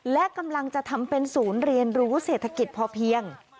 และกำลังจะทำเป็นศูนย์เรียนรู้เศรษฐกิจพอเพียง